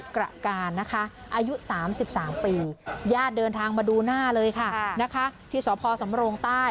ไปไปไปไปไปไป